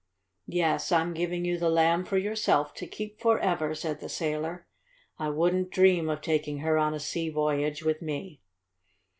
"Yes, I'm giving you the Lamb for yourself to keep forever," said the sailor. "I wouldn't dream of taking her on a sea voyage with me."